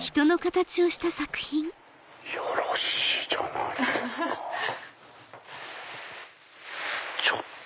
よろしいじゃないですか。